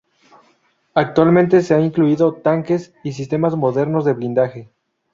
Actualmente se ha incluido tanques y sistemas modernos de blindaje.